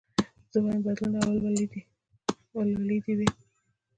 زه وايم بدلون او ولولې دي وي